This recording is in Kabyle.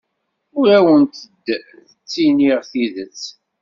Ur awent-d-ttiniɣ tidet.